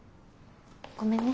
ごめんね。